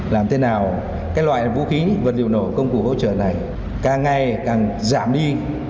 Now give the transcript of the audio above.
làm thế nào các loại vũ khí vật liệu nổ công cụ hỗ trợ này càng ngày càng giảm đi